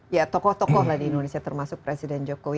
ya tokoh tokoh lah di indonesia termasuk presiden jokowi